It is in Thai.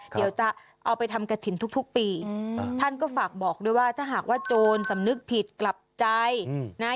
เดี๋ยวจะเอาไปทำกระถิ่นทุกปีท่านก็ฝากบอกด้วยว่าถ้าหากว่าโจรสำนึกผิดกลับใจนะ